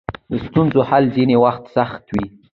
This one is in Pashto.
د ستونزو حل ځینې وخت سخت وي.